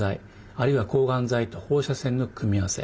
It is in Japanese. あるいは抗がん剤と放射線の組み合わせ。